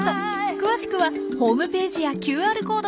詳しくはホームページやＱＲコードからご応募